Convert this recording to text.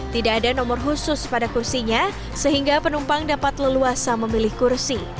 tidak ada nomor khusus pada kursinya sehingga penumpang dapat leluasa memilih kursi